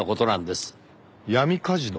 闇カジノ？